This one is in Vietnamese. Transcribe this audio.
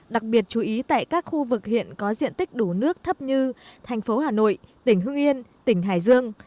đặc biệt chú ý tại các khu vực hiện có diện tích đủ nước thấp như thành phố hà nội tỉnh hương yên tỉnh hải dương